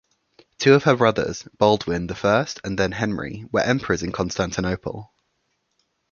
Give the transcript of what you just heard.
Two of her brothers, Baldwin the First and then Henry, were emperors in Constantinople.